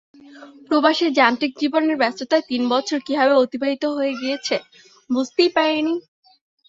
প্রবাসের যান্ত্রিক জীবনের ব্যস্ততায় তিন বছর কীভাবে অতিবাহিত হয়ে গেছে বুঝতেই পারিনি।